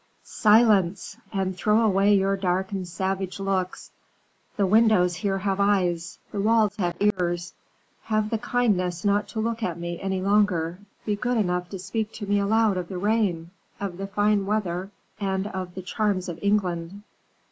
_" "Silence! and throw away your dark and savage looks. The windows here have eyes, the walls have ears. Have the kindness not to look at me any longer; be good enough to speak to me aloud of the rain, of the fine weather, and of the charms of England."